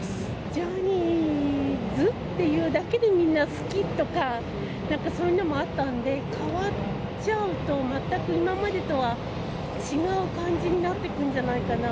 ジャニーズっていうだけで、みんな好きとか、そういうのもあったんで、変わっちゃうと、全く今までとは違う感じになってくんじゃないかな。